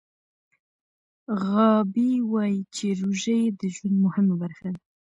غابي وايي چې روژه یې د ژوند مهمه برخه ده.